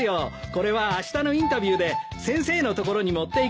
これはあしたのインタビューで先生の所に持っていく手土産で。